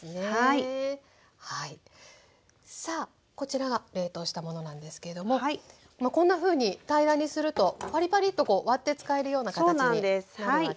さあこちらが冷凍したものなんですけれどもこんなふうに平らにするとパリパリッとこう割って使えるような形になるわけですね。